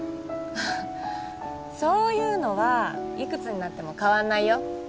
そういうのはいくつになっても変わんないよ